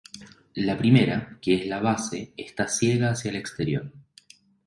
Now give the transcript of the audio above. La primera, que es la base, está ciega hacia el exterior.